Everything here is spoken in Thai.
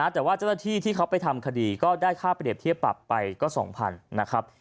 แต่ว่าเจ้าหน้าที่ที่เขาไปทำคดีก็ได้ค่าเปรียบเทียบปรับไปก็๒๐๐๐นะครับ